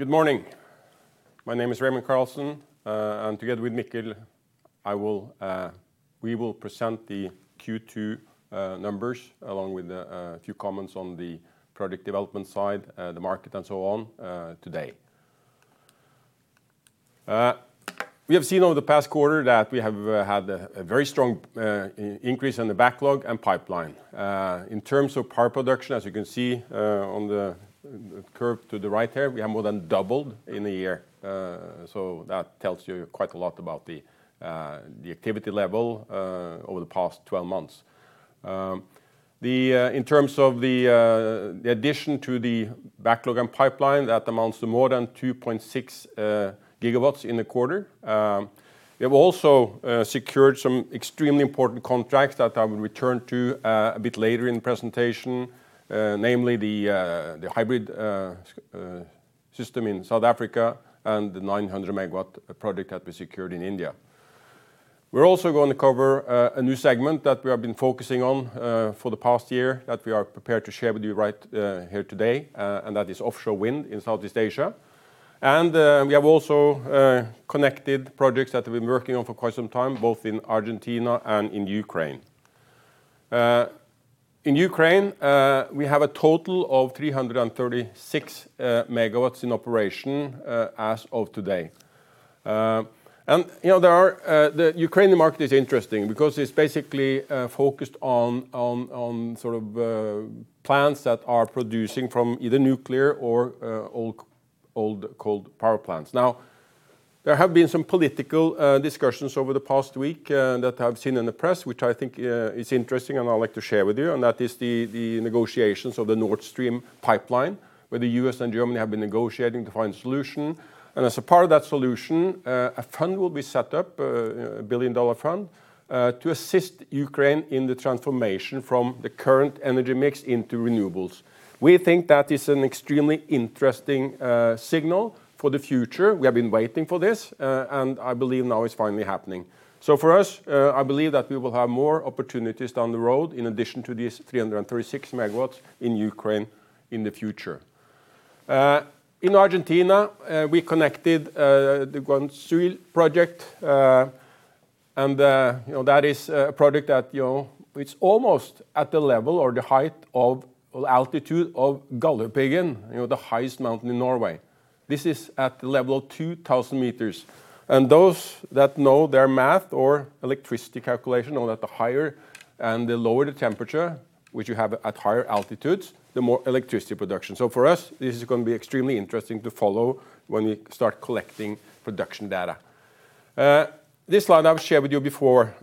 Good morning. My name is Raymond Carlsen, and together with Mikkel, we will present the Q2 numbers along with a few comments on the product development side, the market, and so on today. We have seen over the past quarter that we have had a very strong increase in the backlog and pipeline. In terms of power production, as you can see on the curve to the right there, we have more than doubled in a year. That tells you quite a lot about the activity level over the past 12 months. In terms of the addition to the backlog and pipeline, that amounts to more than 2.6 GW in the quarter. We have also secured some extremely important contracts that I will return to a bit later in the presentation. Namely the hybrid system in South Africa and the 900 MW project that we secured in India. We're also going to cover a new segment that we have been focusing on for the past year that we are prepared to share with you right here today, that is offshore wind in Southeast Asia. We have also connected projects that we've been working on for quite some time, both in Argentina and in Ukraine. In Ukraine, we have a total of 336 MW in operation as of today. The Ukrainian market is interesting because it's basically focused on plants that are producing from either nuclear or old coal power plants. Now, there have been some political discussions over the past week that I've seen in the press, which I think is interesting, and I'd like to share with you, that is the negotiations of the Nord Stream pipeline, where the U.S. and Germany have been negotiating to find a solution. As a part of that solution, a fund will be set up, a billion-dollar fund, to assist Ukraine in the transformation from the current energy mix into renewables. We think that is an extremely interesting signal for the future. We have been waiting for this, and I believe now it's finally happening. For us, I believe that we will have more opportunities down the road, in addition to these 336 MW in Ukraine in the future. In Argentina, we connected the Guañizuil project. That is a project that it's almost at the level or the height or the altitude of Galdhøpiggen, the highest mountain in Norway. This is at the level of 2,000 meters. Those that know their math or electricity calculation know that the higher and the lower the temperature, which you have at higher altitudes, the more electricity production. For us, this is going to be extremely interesting to follow when we start collecting production data. This slide I've shared with you before,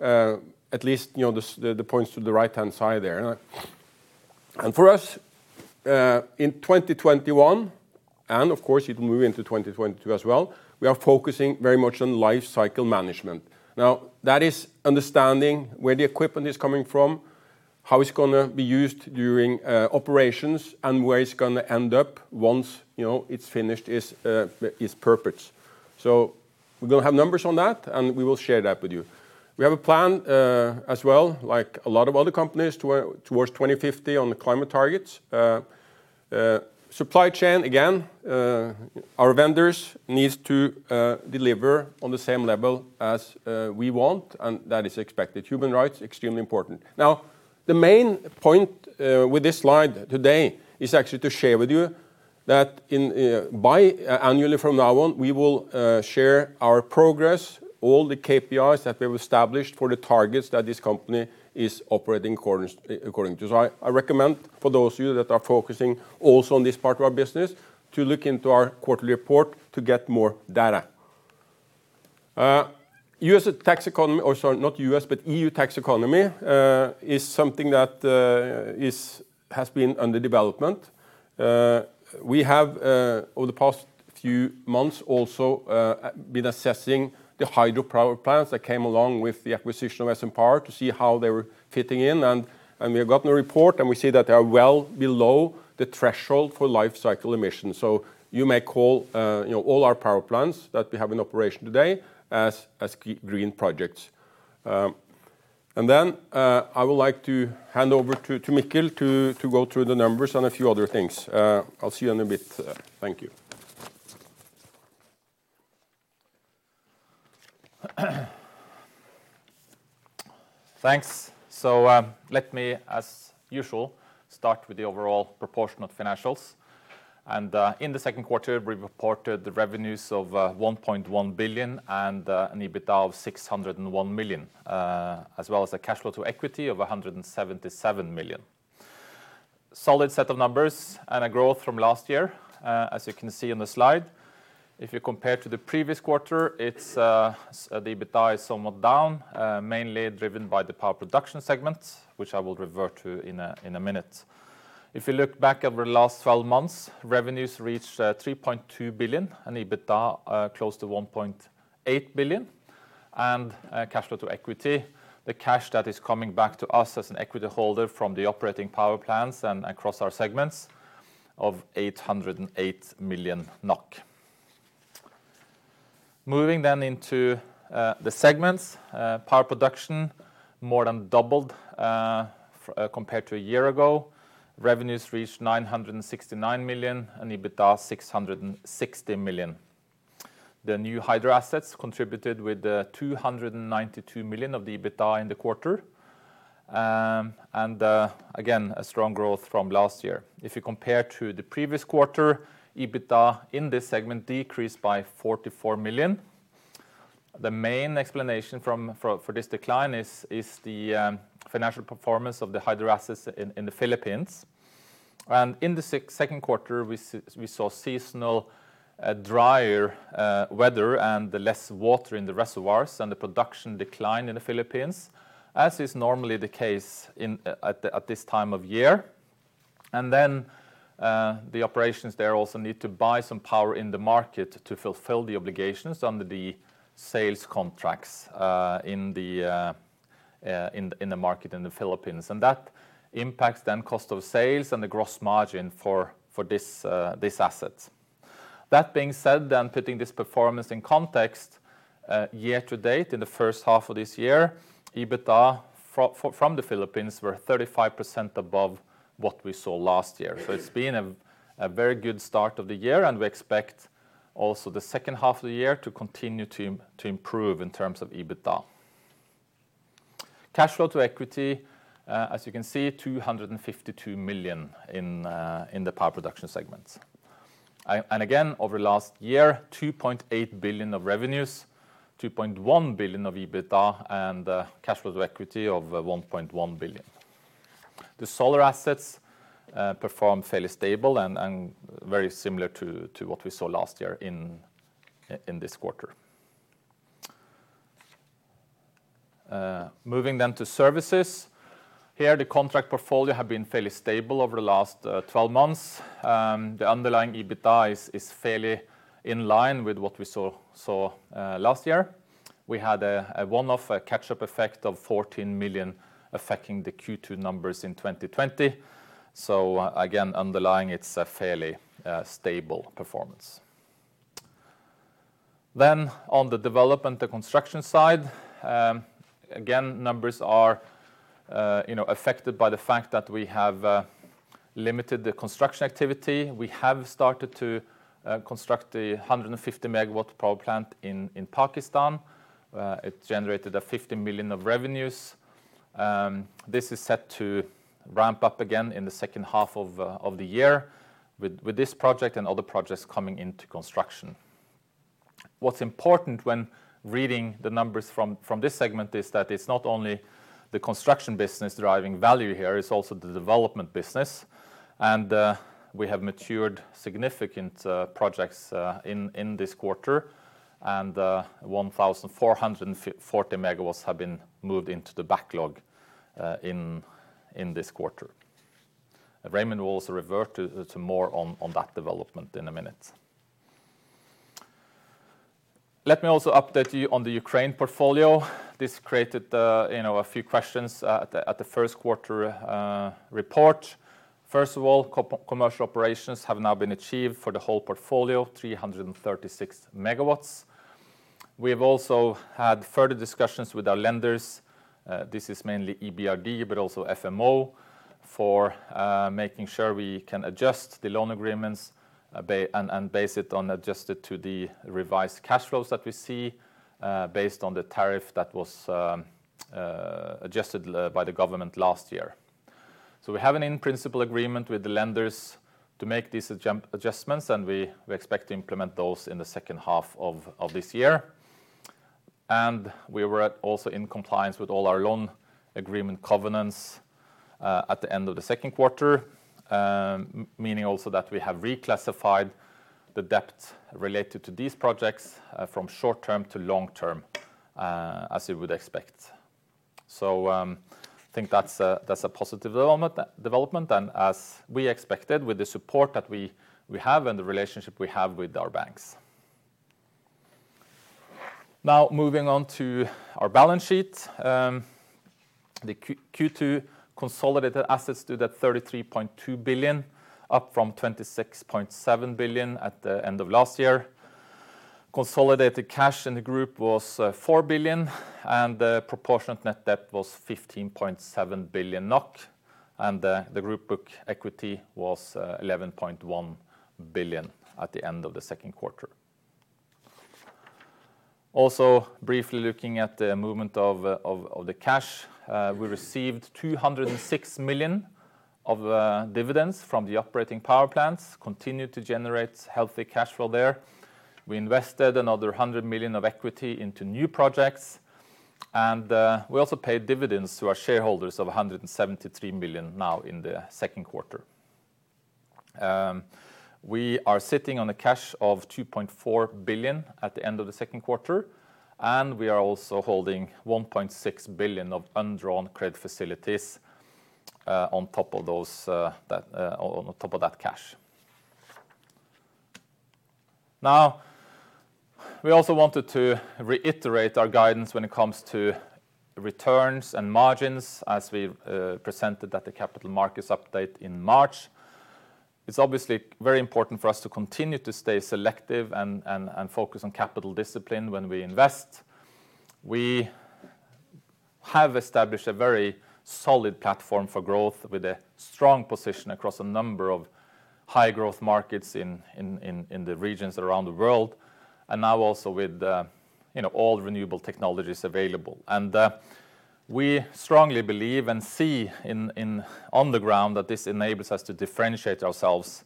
at least the points to the right-hand side there. For us, in 2021, and of course it will move into 2022 as well, we are focusing very much on life cycle management. That is understanding where the equipment is coming from, how it's going to be used during operations, and where it's going to end up once it's finished its purpose. We're going to have numbers on that, and we will share that with you. We have a plan as well, like a lot of other companies, towards 2050 on the climate targets. Supply chain, again, our vendors need to deliver on the same level as we want, and that is expected. Human rights, extremely important. The main point with this slide today is actually to share with you that annually from now on, we will share our progress, all the KPIs that we have established for the targets that this company is operating according to. I recommend for those of you that are focusing also on this part of our business to look into our quarterly report to get more data. EU taxonomy is something that has been under development. We have over the past few months also been assessing the hydropower plants that came along with the acquisition of SN Power to see how they were fitting in. We have gotten a report, and we see that they are well below the threshold for life cycle emissions. You may call all our power plants that we have in operation today as green projects. Then I would like to hand over to Mikkel to go through the numbers and a few other things. I'll see you in a bit. Thank you. Thanks. Let me, as usual, start with the overall proportionate financials. In second quarter, we reported the revenues of 1.1 billion and an EBITDA of 601 million, as well as a cash flow to equity of 177 million. Solid set of numbers and a growth from last year, as you can see on the slide. If you compare to the previous quarter, the EBITDA is somewhat down, mainly driven by the power production segment, which I will revert to in a minute. If you look back over the last 12 months, revenues reached 3.2 billion and EBITDA close to 1.8 billion and cash flow to equity, the cash that is coming back to us as an equity holder from the operating power plants and across our segments of 808 million NOK. Moving into the segments. Power production more than doubled compared to a year ago. Revenues reached 969 million and EBITDA 660 million. The new hydro assets contributed with 292 million of the EBITDA in the quarter. Again, a strong growth from last year. If you compare to the previous quarter, EBITDA in this segment decreased by 44 million. The main explanation for this decline is the financial performance of the hydro assets in the Philippines. In the second quarter, we saw seasonal drier weather and less water in the reservoirs and the production decline in the Philippines, as is normally the case at this time of year. The operations there also need to buy some power in the market to fulfill the obligations under the sales contracts in the market in the Philippines. That impacts then cost of sales and the gross margin for this asset. That being said, putting this performance in context, year-to-date, in the first half of this year, EBITDA from the Philippines were 35% above what we saw last year. It's been a very good start of the year, and we expect also the second half of the year to continue to improve in terms of EBITDA. Cash flow to equity, as you can see, 252 million in the power production segment. Again, over the last year, 2.8 billion of revenues, 2.1 billion of EBITDA, and cash flow to equity of 1.1 billion. The solar assets performed fairly stable and very similar to what we saw last year in this quarter. Moving to services. Here, the contract portfolio has been fairly stable over the last 12 months. The underlying EBITDA is fairly in line with what we saw last year. We had a one-off catch-up effect of 14 million affecting the Q2 numbers in 2020. Again, underlying, it's a fairly stable performance. On the development, the construction side. Again, numbers are affected by the fact that we have limited the construction activity. We have started to construct the 150 MW power plant in Pakistan. It generated 15 million of revenues. This is set to ramp up again in the second half of the year with this project and other projects coming into construction. What's important when reading the numbers from this segment is that it's not only the construction business driving value here, it's also the development business. We have matured significant projects in this quarter, and 1,440 MW have been moved into the backlog in this quarter. Raymond will also revert to more on that development in a minute. Let me also update you on the Ukraine portfolio. This created a few questions at the first quarter report. Commercial operations have now been achieved for the whole portfolio, 336 MW. We have also had further discussions with our lenders. This is mainly EBRD, but also FMO, for making sure we can adjust the loan agreements and base it on the revised cash flows that we see based on the tariff that was adjusted by the government last year. We have an in-principle agreement with the lenders to make these adjustments, and we expect to implement those in the second half of this year. We were also in compliance with all our loan agreement covenants at the end of the second quarter, meaning also that we have reclassified the debt related to these projects from short-term to long-term, as you would expect. I think that's a positive development, and as we expected with the support that we have and the relationship we have with our banks. Moving on to our balance sheet. The Q2 consolidated assets stood at 33.2 billion, up from 26.7 billion at the end of last year. Consolidated cash in the group was 4 billion, and the proportionate net debt was 15.7 billion NOK, and the group book equity was 11.1 billion at the end of the second quarter. Briefly looking at the movement of the cash. We received 206 million of dividends from the operating power plants, continued to generate healthy cash flow there. We invested another 100 million of equity into new projects, and we also paid dividends to our shareholders of 173 million now in the second quarter. We are sitting on a cash of 2.4 billion at the end of the second quarter, and we are also holding 1.6 billion of undrawn credit facilities on top of that cash. We also wanted to reiterate our guidance when it comes to returns and margins, as we presented at the capital markets update in March. It's obviously very important for us to continue to stay selective and focus on capital discipline when we invest. We have established a very solid platform for growth with a strong position across a number of high-growth markets in the regions around the world, and now also with all renewable technologies available. We strongly believe and see on the ground that this enables us to differentiate ourselves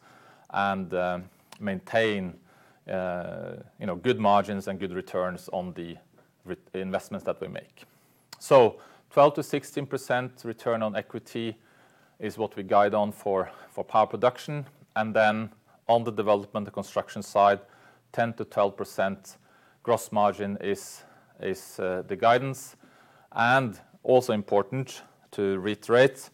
and maintain good margins and good returns on the investments that we make. So, 12%-16% return on equity is what we guide on for power production. Then on the development and construction side, 10%-12% gross margin is the guidance. Also important to reiterate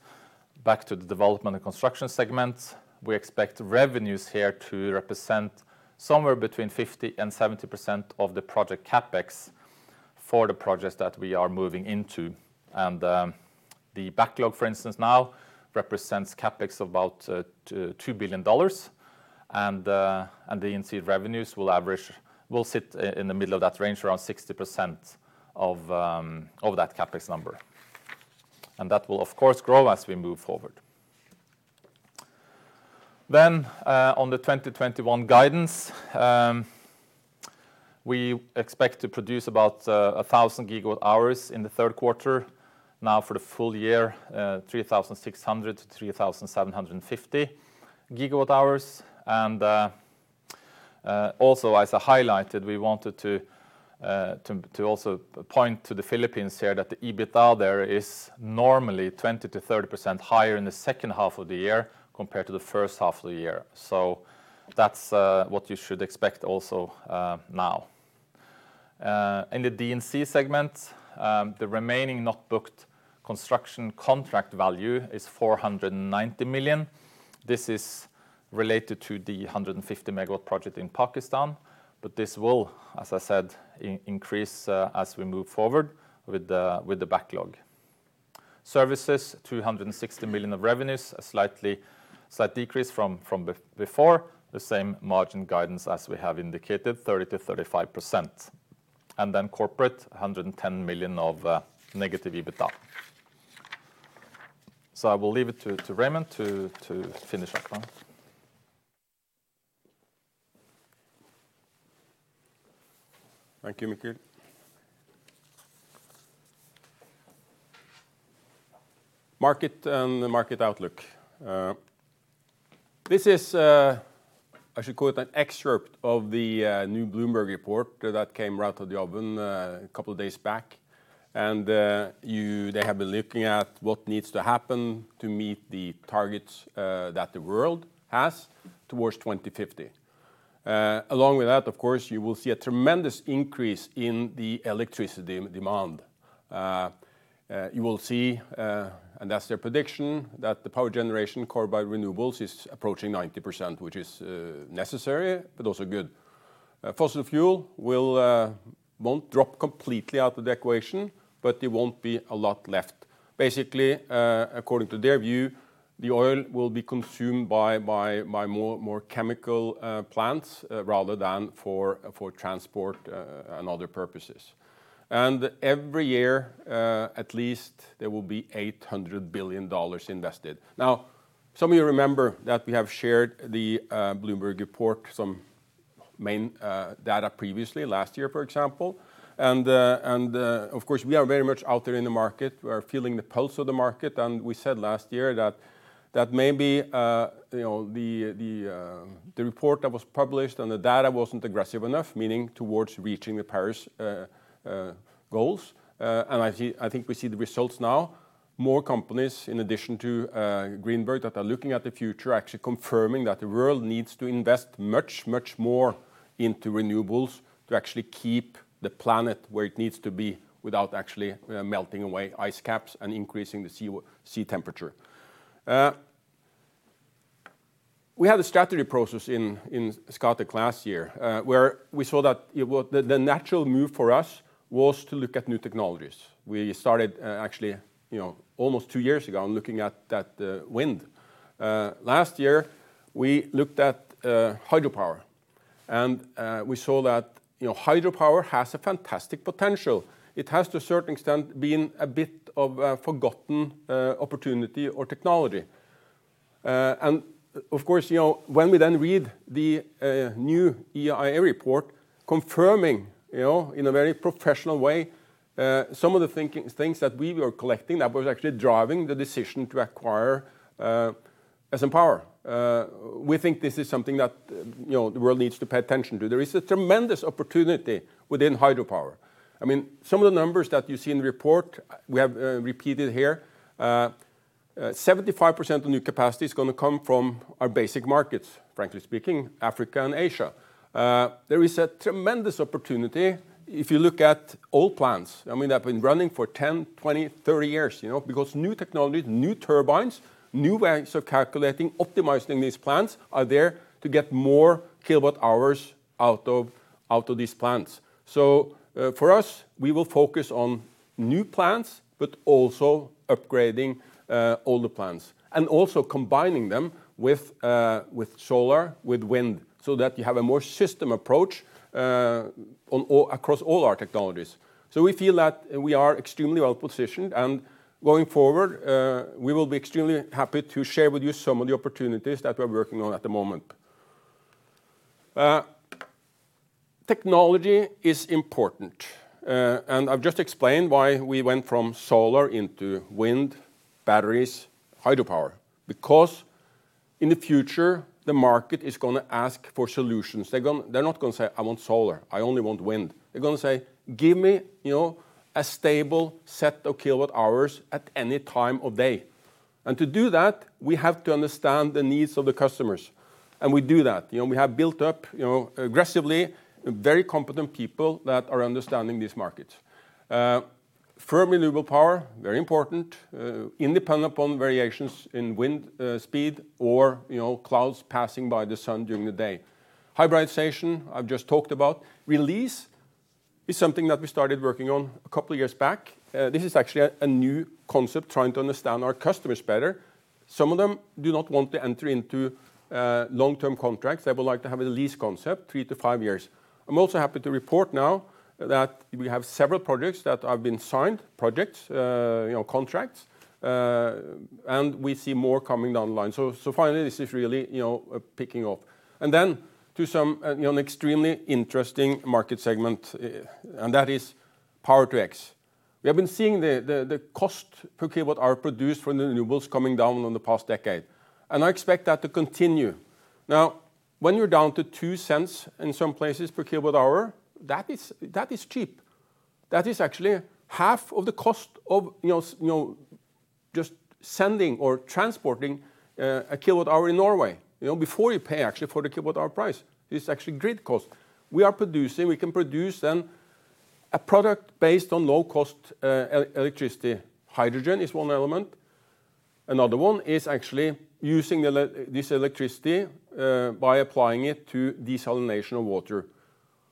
back to the development and construction segment, we expect revenues here to represent somewhere between 50%-70% of the project CapEx for the projects that we are moving into. The backlog, for instance, now represents CapEx of about $2 billion. The D&C revenues will sit in the middle of that range, around 60% of that CapEx number. That will, of course, grow as we move forward. On the 2021 guidance, we expect to produce about 1,000 GWh in the third quarter. Now for the full year 3,600-3,750 GWh. Also, as I highlighted, we wanted to also point to the Philippines here that the EBITDA there is normally 20%-30% higher in the second half of the year compared to the first half of the year. That's what you should expect also now. In the D&C segment, the remaining not booked construction contract value is 490 million. This is related to the 150MW project in Pakistan. This will, as I said, increase as we move forward with the backlog. Services, 260 million of revenues, a slight decrease from before. The same margin guidance as we have indicated, 30%-35%. Then corporate, 110 million of negative EBITDA. I will leave it to Raymond to finish up now. Thank you, Mikkel. Market and the market outlook. This is, I should call it an excerpt of the new Bloomberg report that came right out of the oven a couple of days back. They have been looking at what needs to happen to meet the targets that the world has towards 2050. Along with that, of course, you will see a tremendous increase in the electricity demand. You will see, and that's their prediction, that the power generation core by renewables is approaching 90%, which is necessary, but also good. Fossil fuel won't drop completely out of the equation, but there won't be a lot left. Basically, according to their view, the oil will be consumed by more chemical plants rather than for transport and other purposes. Every year, at least there will be $800 billion invested. Now, some of you remember that we have shared the Bloomberg report, some main data previously, last year, for example. Of course, we are very much out there in the market. We are feeling the pulse of the market. We said last year that maybe the report that was published and the data wasn't aggressive enough, meaning towards reaching the Paris goals. I think we see the results now. More companies, in addition to Greenberg, that are looking at the future, actually confirming that the world needs to invest much, much more into renewables to actually keep the planet where it needs to be without actually melting away ice caps and increasing the sea temperature. We had a strategy process in Scatec last year where we saw that the natural move for us was to look at new technologies. We started actually almost two years ago looking at wind. Last year, we looked at hydropower, we saw that hydropower has a fantastic potential. It has to a certain extent been a bit of a forgotten opportunity or technology. Of course, when we then read the new IEA report confirming in a very professional way some of the things that we were collecting that was actually driving the decision to acquire SN Power. We think this is something that the world needs to pay attention to. There is a tremendous opportunity within hydropower. Some of the numbers that you see in the report we have repeated here. 75% of new capacity is going to come from our basic markets, frankly speaking, Africa and Asia. There is a tremendous opportunity if you look at old plants. They've been running for 10, 20, 30 years. New technologies, new turbines, new ways of calculating, optimizing these plants are there to get more kilowatt hours out of these plants. For us, we will focus on new plants, but also upgrading older plants. Also combining them with solar, with wind, so that you have a more system approach across all our technologies. We feel that we are extremely well-positioned and going forward, we will be extremely happy to share with you some of the opportunities that we are working on at the moment. Technology is important. I've just explained why we went from solar into wind, batteries, hydropower. In the future, the market is going to ask for solutions. They're not going to say, "I want solar. I only want wind." They're going to say, "Give me a stable set of kilowatt hours at any time of day." To do that, we have to understand the needs of the customers, and we do that. We have built up aggressively very competent people that are understanding these markets. Firm renewable power, very important, independent on variations in wind speed or clouds passing by the sun during the day. Hybridization, I've just talked about. Release is something that we started working on couple years back. This is actually a new concept, trying to understand our customers better. Some of them do not want to enter into long-term contracts. They would like to have a lease concept, three to five years. I'm also happy to report now that we have several projects that have been signed, projects, contracts. We see more coming down the line. Finally, this is really picking up. To some extremely interesting market segment, and that is Power to X. We have been seeing the cost per kilowatt hour produced from the renewables coming down in the past decade, and I expect that to continue. When you're down to $0.02 in some places per kilowatt hour, that is cheap. That is actually half of the cost of just sending or transporting a kilowatt hour in Norway. Before you pay, actually, for the kilowatt hour price, this is actually grid cost. We can produce then a product based on low-cost electricity. Hydrogen is one element. Another one is actually using this electricity by applying it to desalination of water.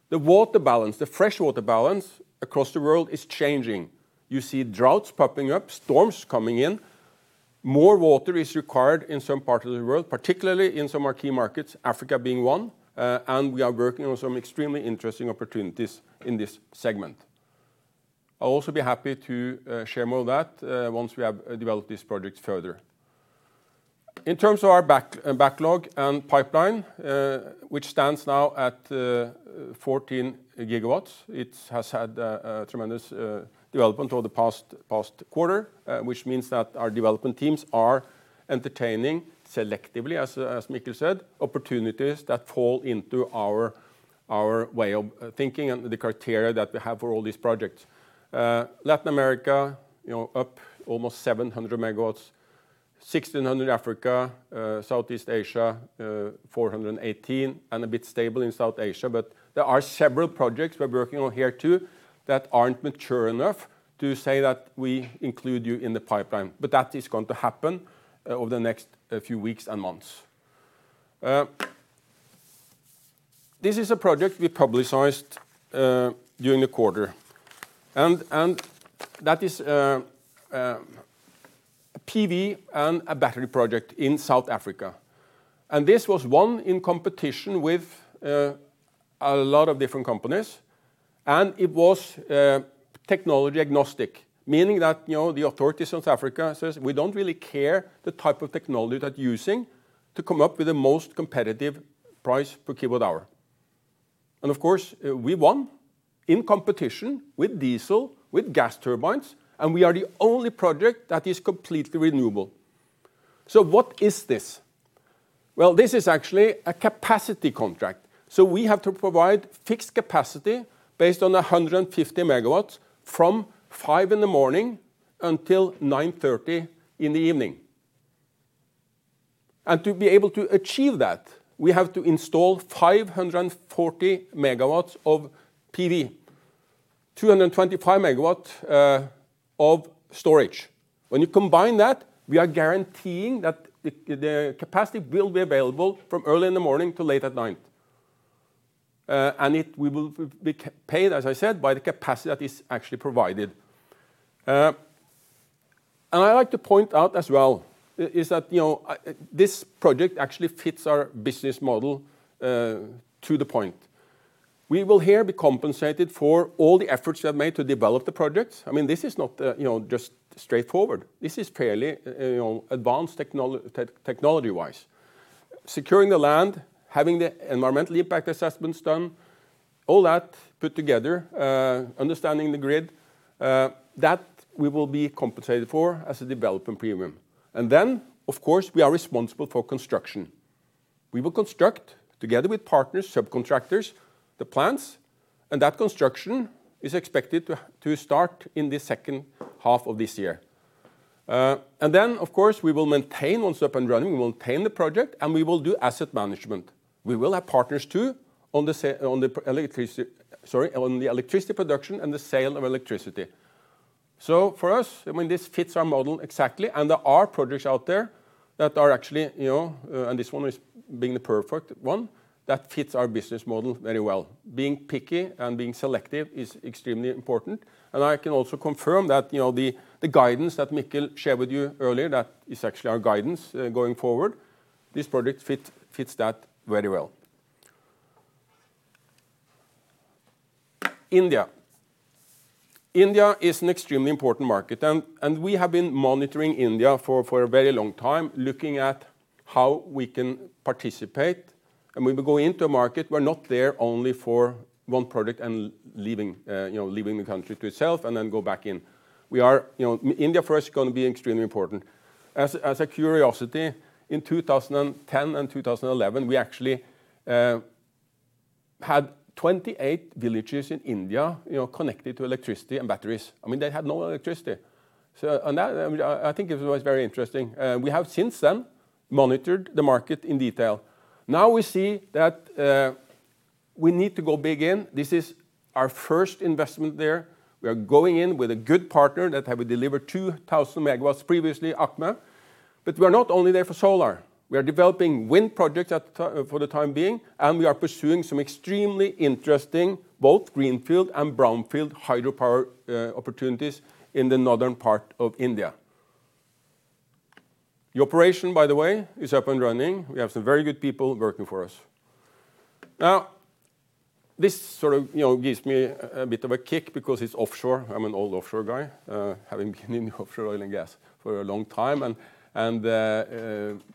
The water balance, the freshwater balance across the world is changing. You see droughts popping up, storms coming in. More water is required in some parts of the world, particularly in some of our key markets, Africa being one. We are working on some extremely interesting opportunities in this segment. I'll also be happy to share more of that once we have developed these projects further. In terms of our backlog and pipeline, which stands now at 14 GW, it has had a tremendous development over the past quarter, which means that our development teams are entertaining selectively, as Mikkel said, opportunities that fall into our way of thinking and the criteria that we have for all these projects. Latin America, up almost 700 MW, 1,600 MW Africa, Southeast Asia, 418 MW, and a bit stable in South Asia. There are several projects we're working on here too that aren't mature enough to say that we include you in the pipeline, but that is going to happen over the next few weeks and months. This is a project we publicized during the quarter, and that is a PV and a battery project in South Africa. This was won in competition with a lot of different companies, and it was technology-agnostic, meaning that the authorities in South Africa says, "We don't really care the type of technology that you're using to come up with the most competitive price per kilowatt-hour." Of course, we won in competition with diesel, with gas turbines, and we are the only project that is completely renewable. What is this? Well, this is actually a capacity contract. We have to provide fixed capacity based on 150 MW from 5:00A.M. in the morning until 9:30P.M. in the evening. To be able to achieve that, we have to install 540 MW of PV, 225 MW of storage. When you combine that, we are guaranteeing that the capacity will be available from early in the morning to late at night. We will be paid, as I said, by the capacity that is actually provided. I like to point out as well is that this project actually fits our business model to the point. We will here be compensated for all the efforts we have made to develop the projects. This is not just straightforward. This is fairly advanced technology-wise. Securing the land, having the environmental impact assessments done, all that put together, understanding the grid, that we will be compensated for as a development premium. Of course, we are responsible for construction. We will construct together with partners, subcontractors, the plants, and that construction is expected to start in the second half of this year. Of course, we will maintain once up and running, we will maintain the project, and we will do asset management. We will have partners too, on the electricity production and the sale of electricity. For us, this fits our model exactly, and there are projects out there that are actually, and this one is being the perfect one, that fits our business model very well. Being picky and being selective is extremely important, and I can also confirm that the guidance that Mikkel shared with you earlier, that is actually our guidance going forward. This project fits that very well. India. India is an extremely important market. We have been monitoring India for a very long time, looking at how we can participate. When we go into a market, we're not there only for one project and leaving the country to itself and then go back in. India for us is going to be extremely important. As a curiosity, in 2010 and 2011, we actually had 28 villages in India connected to electricity and batteries. They had no electricity. On that, I think it was very interesting. We have since then monitored the market in detail. Now we see that we need to go big in. This is our first investment there. We are going in with a good partner that have delivered 2,000 MW previously, ACME. We are not only there for solar. We are developing wind projects for the time being, and we are pursuing some extremely interesting, both greenfield and brownfield hydropower opportunities in the northern part of India. The operation, by the way, is up and running. We have some very good people working for us. This sort of gives me a bit of a kick because it's offshore. I'm an old offshore guy having been in offshore oil and gas for a long time.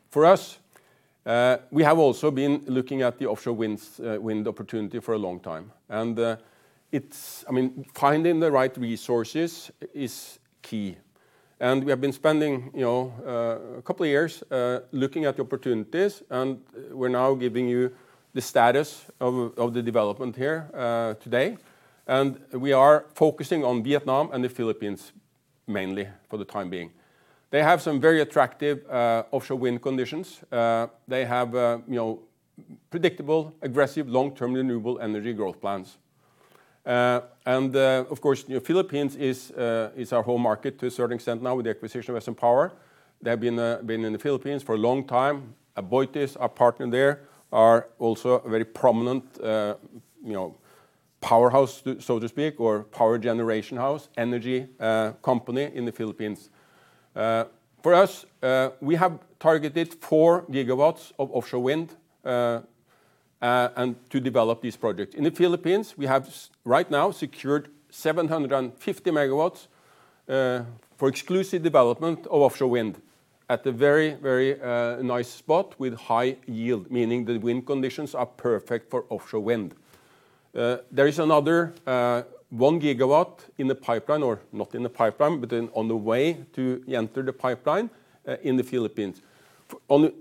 For us, we have also been looking at the offshore wind opportunity for a long time. Finding the right resources is key. We have been spending a couple of years looking at the opportunities, and we're now giving you the status of the development here today. We are focusing on Vietnam and the Philippines mainly for the time being. They have some very attractive offshore wind conditions. They have predictable, aggressive, long-term renewable energy growth plans. Of course, Philippines is our home market to a certain extent now with the acquisition of SN Power. They have been in the Philippines for a long time. Aboitiz, our partner there, are also a very prominent powerhouse, so to speak, or power generation house, energy company in the Philippines. For us, we have targeted 4 GW of offshore wind to develop these projects. In the Philippines, we have right now secured 750 MW for exclusive development of offshore wind at a very nice spot with high yield, meaning the wind conditions are perfect for offshore wind. There is another 1 GW in the pipeline, or not in the pipeline, but on the way to enter the pipeline in the Philippines.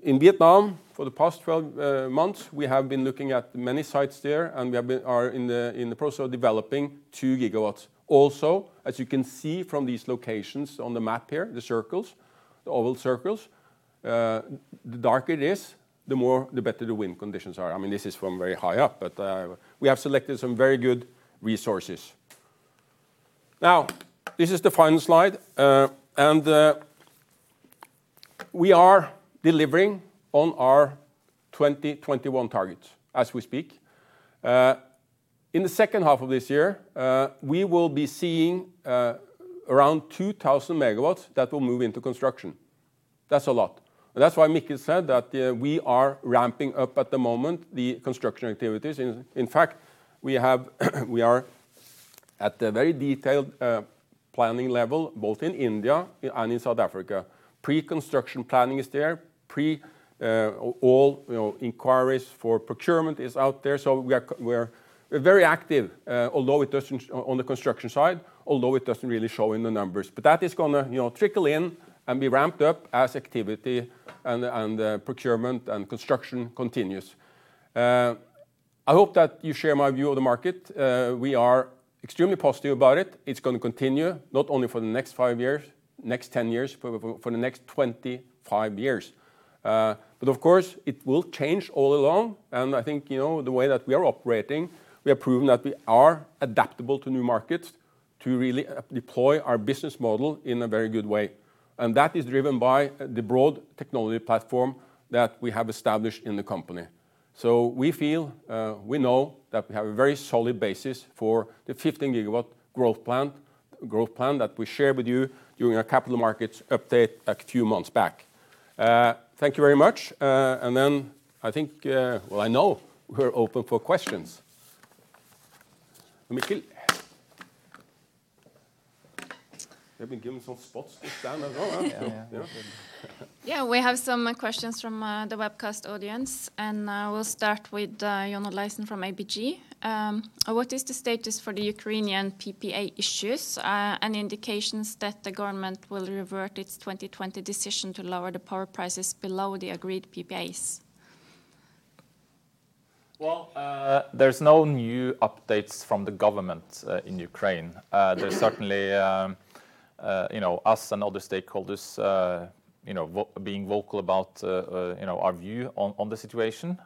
In Vietnam, for the past 12 months, we have been looking at many sites there, and we are in the process of developing 2 GW. Also, as you can see from these locations on the map here, the circles, the oval circles, the darker it is, the better the wind conditions are. This is from very high up, but we have selected some very good resources. Now, this is the final slide. We are delivering on our 2021 targets as we speak. In the second half of this year, we will be seeing around 2,000 MW that will move into construction. That's a lot. That's why Mikkel said that we are ramping up at the moment the construction activities. In fact, we are at the very detailed planning level, both in India and in South Africa. Pre-construction planning is there. All inquiries for procurement is out there. We are very active on the construction side, although it doesn't really show in the numbers. That is going to trickle in and be ramped up as activity and procurement and construction continues. I hope that you share my view of the market. We are extremely positive about it. It's going to continue not only for the next five years, next 10 years, for the next 25 years. Of course, it will change all along, and I think the way that we are operating, we have proven that we are adaptable to new markets to really deploy our business model in a very good way. That is driven by the broad technology platform that we have established in the company. We know that we have a very solid basis for the 15 GW growth plan that we shared with you during our capital markets update a few months back. Thank you very much. Well, I know we're open for questions. Mikkel. They've been given some spots to stand as well. Yeah. Yeah. Yeah, we have some questions from the webcast audience. I will start with John Olaisen from ABG. What is the status for the Ukrainian PPA issues and indications that the government will revert its 2020 decision to lower the power prices below the agreed PPAs? There's no new updates from the government in Ukraine. There's certainly us and other stakeholders being vocal about our view on the situation.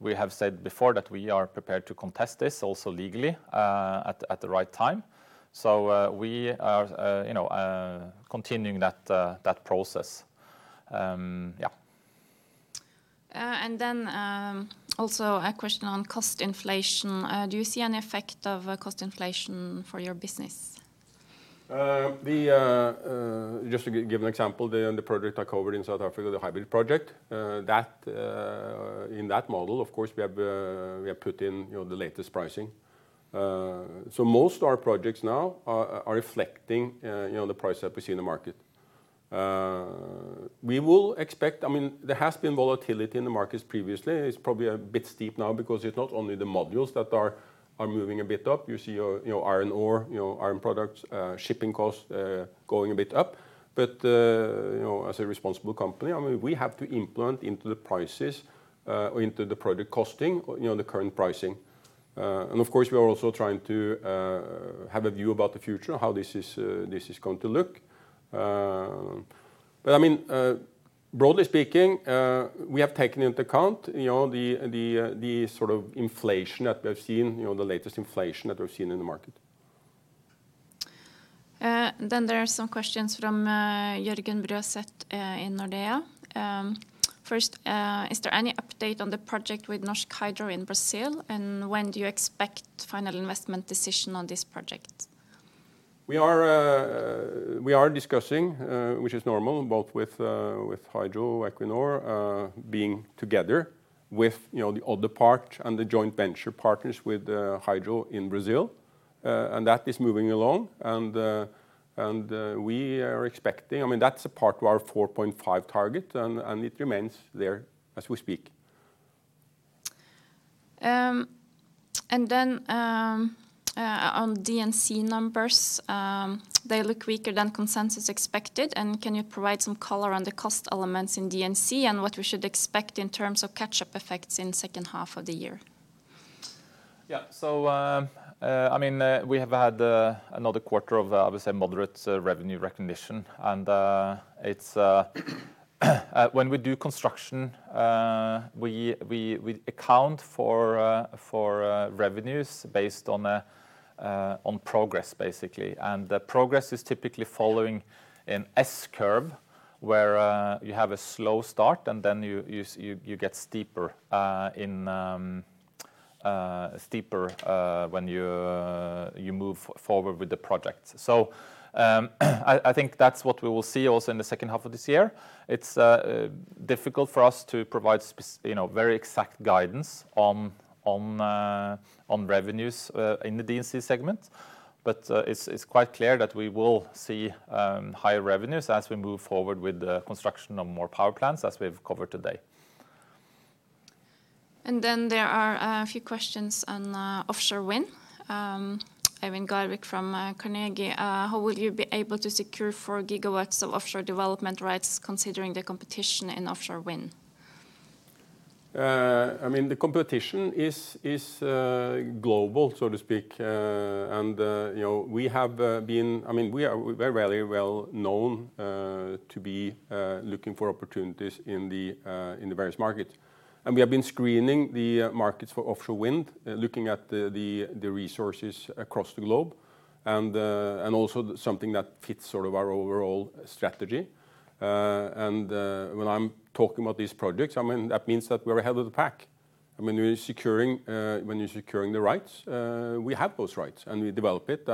We have said before that we are prepared to contest this also legally at the right time. We are continuing that process. Yeah. Also a question on cost inflation. Do you see an effect of cost inflation for your business? Just to give an example, the project I covered in South Africa, the hybrid project, in that model, of course, we have put in the latest pricing. Most our projects now are reflecting the price that we see in the market. There has been volatility in the markets previously. It's probably a bit steep now because it's not only the modules that are moving a bit up. You see iron ore, iron products, shipping costs going a bit up. As a responsible company, we have to implement into the prices or into the project costing, the current pricing. Of course, we are also trying to have a view about the future, how this is going to look. Broadly speaking, we have taken into account the sort of inflation that we have seen, the latest inflation that we've seen in the market. There are some questions from Jørgen Bruaset in Nordea. First, is there any update on the project with Norsk Hydro in Brazil, and when do you expect final investment decision on this project? We are discussing, which is normal, both with Hydro, Equinor being together with the other part and the joint venture partners with Hydro in Brazil. That is moving along, and we are expecting That's a part of our 4.5 target, and it remains there as we speak. On D&C numbers, they look weaker than consensus expected. Can you provide some color on the cost elements in D&C and what we should expect in terms of catch-up effects in second half of the year? Yeah. We have had another quarter of, I would say, moderate revenue recognition. When we do construction, we account for revenues based on progress, basically. The progress is typically following an S curve, where you have a slow start and then you get steeper when you move forward with the project. I think that's what we will see also in the second half of this year. It's difficult for us to provide very exact guidance on revenues in the D&C segment. It's quite clear that we will see higher revenues as we move forward with the construction of more power plants, as we have covered today. There are a few questions on offshore wind. Eivind Garvik from Carnegie. How will you be able to secure 4 GW of offshore development rights considering the competition in offshore wind? The competition is global, so to speak. We are very well known to be looking for opportunities in the various markets. We have been screening the markets for offshore wind, looking at the resources across the globe, and also something that fits sort of our overall strategy. When I'm talking about these projects, that means that we are ahead of the pack. When you're securing the rights, we have those rights, and we develop it.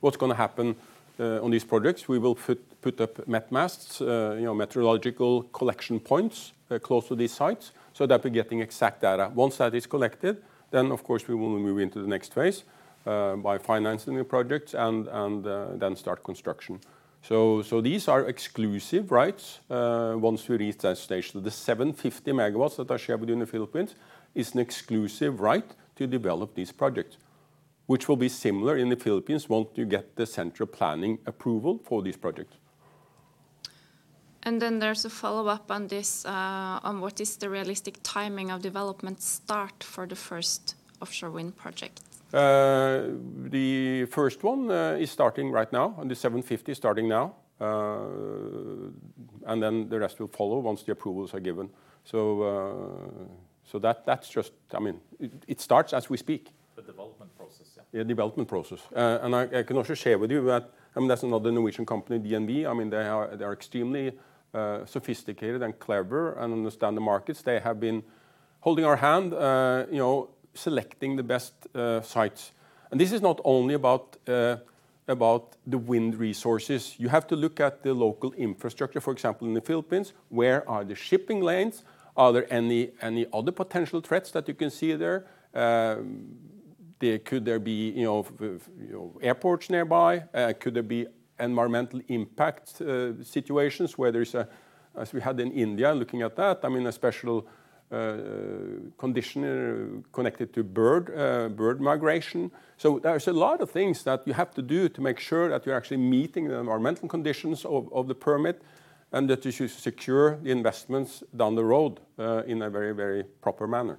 What's going to happen on these projects, we will put up met masts, meteorological collection points close to these sites so that we're getting exact data. Once that is collected, then of course, we will move into the next phase by financing the projects and then start construction. These are exclusive rights once we reach that stage. The 750 MW that I share with you in the Philippines is an exclusive right to develop these projects, which will be similar in the Philippines once you get the central planning approval for these projects. There's a follow-up on this, on what is the realistic timing of development start for the first offshore wind project? The first one is starting right now, the 750 MW is starting now. The rest will follow once the approvals are given. It starts as we speak. The development process, yeah. Yeah, development process. I can also share with you that another Norwegian company, DNV, they are extremely sophisticated and clever and understand the markets. They have been holding our hand selecting the best sites. This is not only about the wind resources. You have to look at the local infrastructure. For example, in the Philippines, where are the shipping lanes? Are there any other potential threats that you can see there? Could there be airports nearby? Could there be environmental impact situations where there is a, as we had in India, looking at that, a special condition connected to bird migration. There's a lot of things that you have to do to make sure that you're actually meeting the environmental conditions of the permit and that you secure the investments down the road in a very proper manner.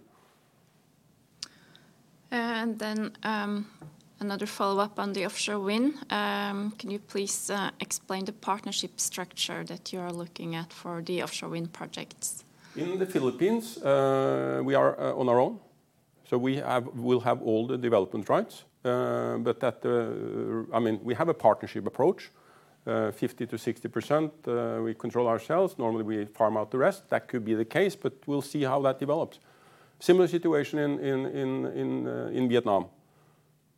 Another follow-up on the offshore wind. Can you please explain the partnership structure that you are looking at for the offshore wind projects? In the Philippines, we are on our own, so we'll have all the development rights. We have a partnership approach, 50% to 60% we control ourselves. Normally we farm out the rest. That could be the case, but we'll see how that develops. Similar situation in Vietnam.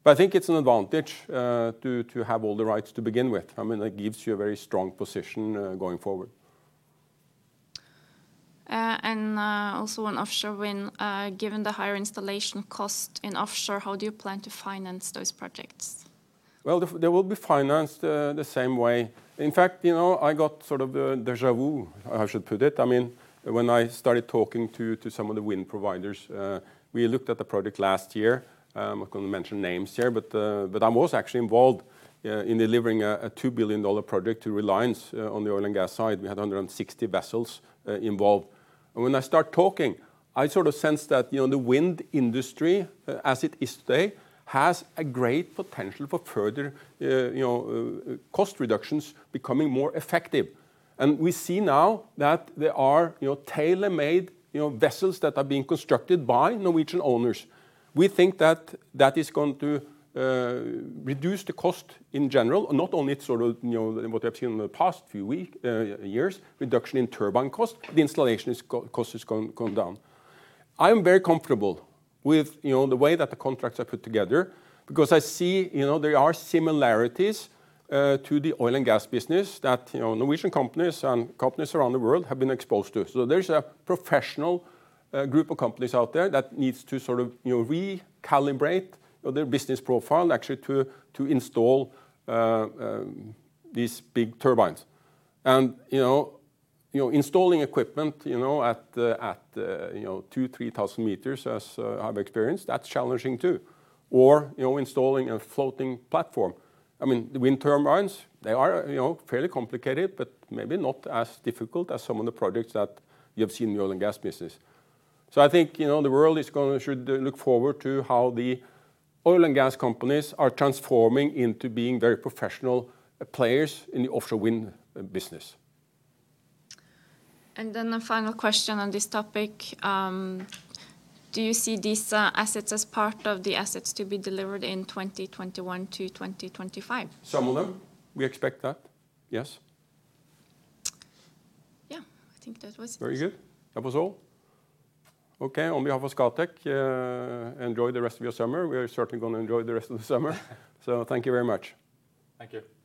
I think it's an advantage to have all the rights to begin with. It gives you a very strong position going forward. Also on offshore wind, given the higher installation cost in offshore, how do you plan to finance those projects? Well, they will be financed the same way. In fact, I got sort of déjà vu, how I should put it, when I started talking to some of the wind providers. We looked at the project last year. I'm not going to mention names here. I was actually involved in delivering a $2 billion project to Reliance on the oil and gas side. We had 160 vessels involved. When I start talking, I sort of sense that the wind industry, as it is today, has a great potential for further cost reductions, becoming more effective. We see now that there are tailor-made vessels that are being constructed by Norwegian owners. We think that is going to reduce the cost in general, not only what I've seen in the past few years, reduction in turbine cost, the installation cost is going down. I am very comfortable with the way that the contracts are put together because I see there are similarities to the oil and gas business that Norwegian companies and companies around the world have been exposed to. There's a professional group of companies out there that needs to recalibrate their business profile actually to install these big turbines. Installing equipment at 2,000, 3,000 meters, as I've experienced, that's challenging too. Installing a floating platform. Wind turbines, they are fairly complicated, but maybe not as difficult as some of the projects that you have seen in the oil and gas business. I think the world should look forward to how the oil and gas companies are transforming into being very professional players in the offshore wind business. The final question on this topic. Do you see these assets as part of the assets to be delivered in 2021-2025? Some of them. We expect that, yes. Yeah, I think that was all. Very good. That was all? Okay, on behalf of Scatec, enjoy the rest of your summer. We are certainly going to enjoy the rest of the summer. Thank you very much. Thank you.